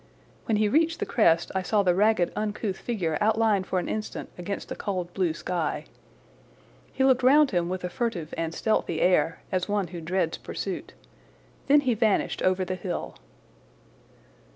When he reached the crest I saw the ragged uncouth figure outlined for an instant against the cold blue sky. He looked round him with a furtive and stealthy air, as one who dreads pursuit. Then he vanished over the hill.